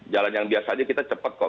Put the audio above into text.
jalan yang biasanya kita cepat kok